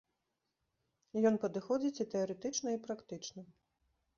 Ён падыходзіць і тэарэтычна, і практычна.